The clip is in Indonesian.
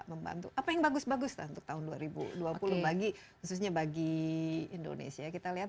membantu apa yang bagus bagus lah untuk tahun dua ribu dua puluh bagi khususnya bagi indonesia kita lihat